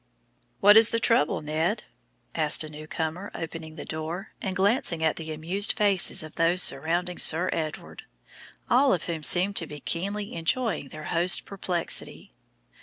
"What is the trouble, Ned?" asked a new comer, opening the door and glancing at the amused faces of those surrounding Sir Edward, all of whom seemed to be keenly enjoying their host's perplexity.